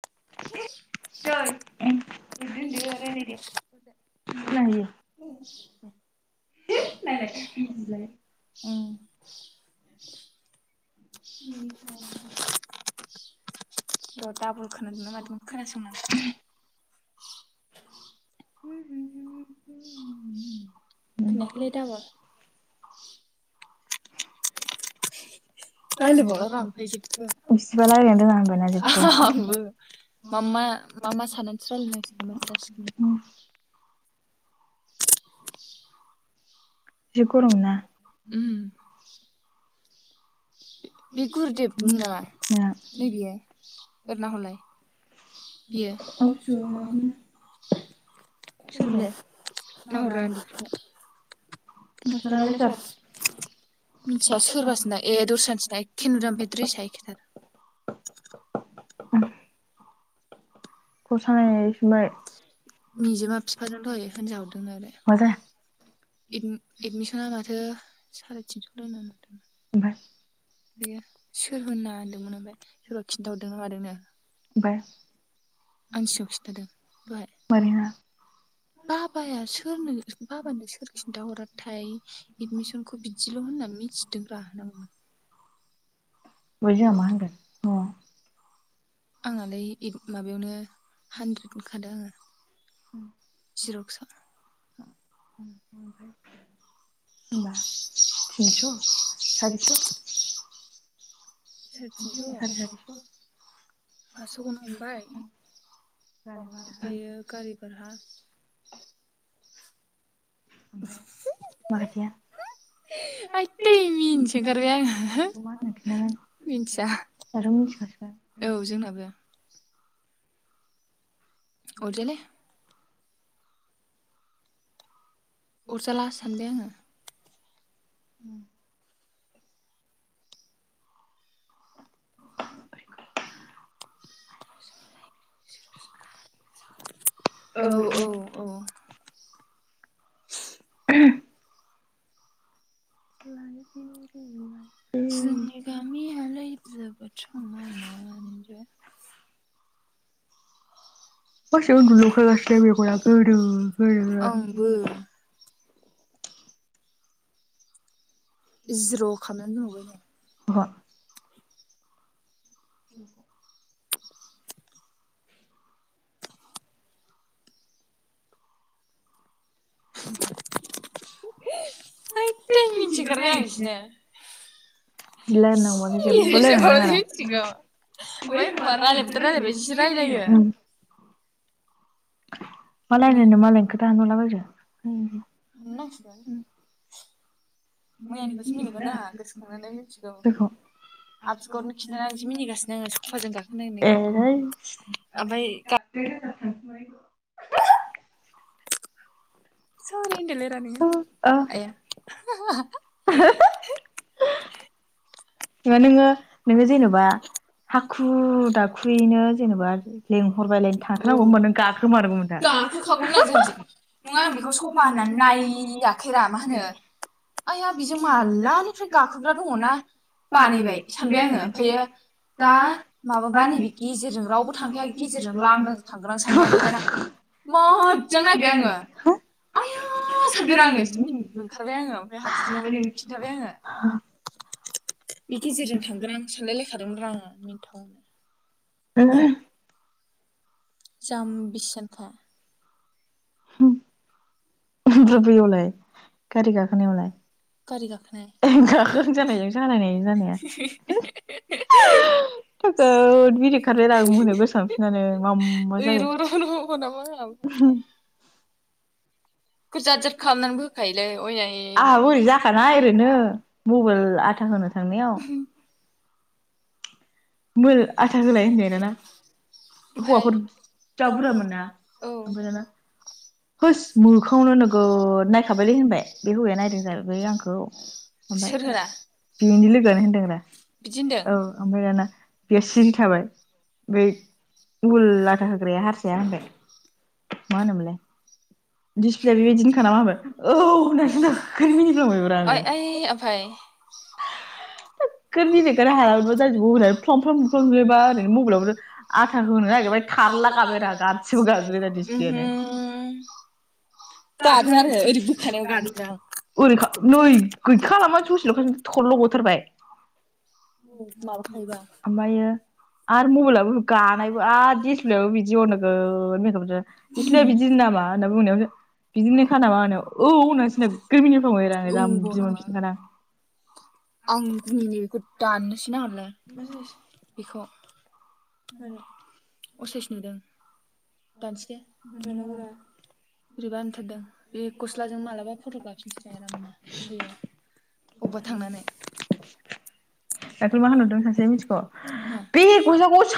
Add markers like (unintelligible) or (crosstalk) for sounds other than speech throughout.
(inaudible) (inaudible) (inaudible) (inaudible) र' दाबल खोनादोंना मादों खोनासंनां। खोनायाखैलै दाबल रायलायबावला आं जेबो आंबो मा मा मा मा साननानैसो रायलायनांसि (unintelligible) बासो जासिगोन। (inaudible) उम बे गुरुदेब नामा? नै बियो ओरै नाहलाय बियो (unintelligible) मास्थारालाय सोर? मिथिया सोरबासिना ए दस्रानिसोना एखे नुदों बे द्रेसा एखेथार। (unintelligible) निजोमा बिफाजों थहायो हिनजाव। (unintelligible) (inaudible) एड एडमिसना माथो साराय तिनतायाव दोंङोनो माथो बेयो सोर होनना होनदोंमोन ओमफ्राय सोरबा खिन्थाहरदोंना मादोंनो। (unintelligible) आं सि (unintelligible) आव खिन्थादों दहाय बाबाया सोरनो बाबानो सोर खिन्थााहराथाय एदमिसनखौ बिदिल होननानै मिथिदोंब्रा। ओमाय जोंआ मा होनगोन? दंङ आंहालाय इ माबायावनो हानद्रेद मोनखादो आंङो। जि रकसा (inaudible) होमबा थिनस सारिस सारि तिनस फासस खौनो हमबाय ओमफ्रायो गारि भारा आयदै मिनिनोसो ओंखारबाय आंङो मिथिया औ जोंनाबो। अरजायालै अरजाला सानबाय आंङो उम औ औ (unintelligible) (inaudible) जोंनि गामियालाय जोबोद समान मासे उन्दुनोओंखारगासिनो मेगना गोदो गोदोनो। जिर'खामनानै दोनबावबाय (inaudible) (unintelligible) आयदै मिनिनोसो ओंखारबाय आं (unintelligible) (unintelligible) (unintelligible) मा लायरायनो मालायनि खोथा हानावला बायो। उम होननासिगोन। मैयानिखौसो मिनिगोन दा गोसोखांनानै मिथिगौ आफसगरनो खिन्थानानैसो मिनिगासिनो आंङो सुखुवाजों गाखोनाय होननायखौ ओमफाय (unintelligible) सरि होनदोलाय रा नोंङो आया (unintelligible) गाखोखागौमोन आं नंङा आं बेखौ सफा होननानै नाय गाखेरा मा होना आइया बेजों माललानिफ्राय गाखोग्रा दंङना (unintelligible) मोजां नायबाय आंङो आय यौ नंबाय (unintelligible) बे गेजेरजों थांगोन आं सानलायलायखादोंरा आङो। जामबिसानथा। बुबैयावलाय गारि गाखोनायावलाय गाखोन जानायजों सालायनाय जानाया (inaudible) गोद बिरै खद आ मोनायाव गोसांफिननानै मा मा जायो। (unintelligible) आंहाबो ओरै जाखाना ओरैनो मबाइल आथा होनो थांनायाव। (unintelligible) आथा होलाय होनबाय दाना हौवाफोर जा बुरजा मोन ना ओमफ्राय दाना। होस् मोखावनो नोगोद नायखाबायलै होनबाय बे हौवाया नायदों जाहैबाय आंखौ ओफ्राय बेनि लोगआनो होनदों रा औ ओमफ्राय दाना। बेयो सिरि थाबाय बै उल लाथा होग्राया हारसाया होनबाय मा होनोमोनलाय। (unintelligible) (unintelligible) सामफ्रामफ्राम होयोबा ओरैनो मबाइलाव आथाखौ होनो नागिरबाय थारला गाबायरा गानसिबो गाजोबबाय ब्रा दिसप्लेनो (unintelligible) ओरै नै गैखा खालामानो ससेल'। खरल' गथारबाय। ओमफायो। आरो मबायलाबो आं दान नायहरलाय। बिखौ। असाइस नुदों। दानस दे दानांगा बोरैबा होनथारदों बे गस्लाजों मालाबा फट' गाफिनसै आरा दैया अबेबा थांनानै।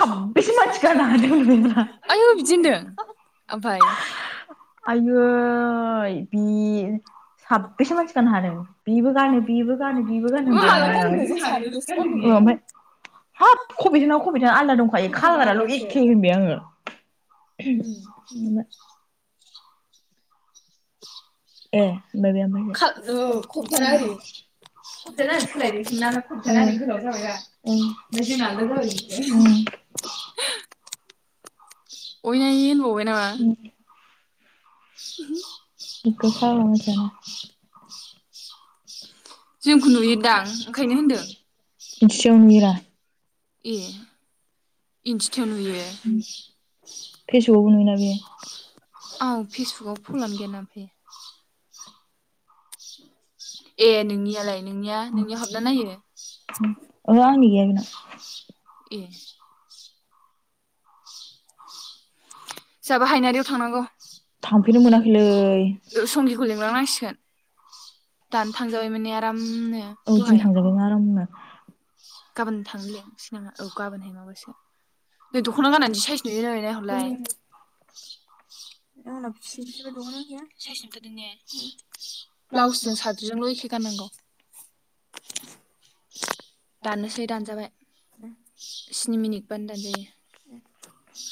(unintelligible) आयौ बिदि होनदों आय साबेसे मानसि गानो हादों बेबो गानो बेबो गानो बेबो गानो होन ओमफ्राय हाब खबिथाव खबिथ आलदा दंखायो खालगाराल' एखे होनबाय आङो। (unintelligible) ए होन बे खथानो सोलायनोसों ना खमथानानै गोलाव जाबाया ओमफ्राय जोंनाल' जाबाय अयनाय होनबावबाय नामा (unintelligible) (unintelligible) जोंखौ नुयोदां ओंखायनो होनदों ए इन्थिथायाव नुयो। औ फेसबुकाव फलआनो गैया आफ्राय ओहो आंनि (unintelligible) (unintelligible) जोंहाबो हायनारियाव थांनांगौ संगिखौ लिंलांनांसिगोन दानो थांजाबाय माने आरामनो दहाय। गाबोन थांनोलै सिनाङा औ गाबोनहाय माबासो नै दख'ना गाननानैस सायस नुयो ना नुआ लै आंखौलाय (unintelligible) आंनाव बि बिबो दह गैया साइसख दनि ब्लाउसजों साद्र्रिजोंल' एखे गाननांगौ दाननोसै दानजाबाय। (unintelligible) स्नि मिनिट बानो दानजायो।